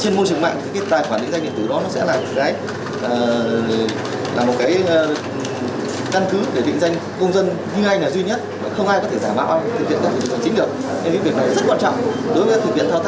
trên môi trường mạng tài khoản định danh điện tử đó sẽ là một căn cước để định danh công dân như ai là duy nhất